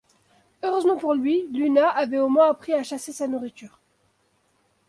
Heureusement pour lui, Luna avait au moins appris à chasser sa nourriture.